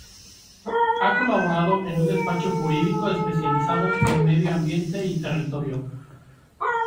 Ha colaborado en un despacho jurídico especializado en medio ambiente y territorio.